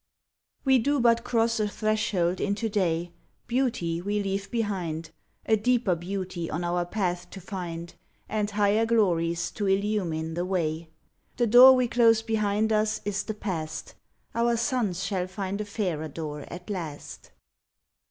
We do but cross a threshold into day. Beauty we leave behind, A deeper beauty on our path to find And higher glories to illume the way. 102 THE BUILDERS The door we close behind us is the Past: Our sons shall find a fairer door at last.